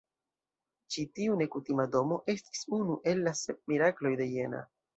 Ĉi-tiu nekutima domo estis unu el la "Sep Mirakloj de Jena".